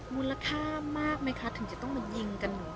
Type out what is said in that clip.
มูลค่ามากไหมคะถึงจะต้องมายิงกันหนู